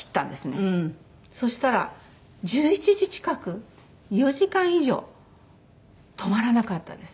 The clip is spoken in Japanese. そしたら１１時近く４時間以上止まらなかったです。